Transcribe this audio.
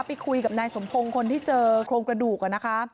ไปคุยกับนายสมพงศ์คนที่เจอโครงกระดูกนะคะ